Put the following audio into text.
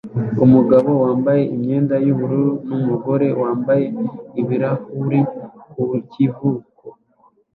umugabo wambaye imyenda y'ubururu n'umugore wambaye ibirahuri ku kivuko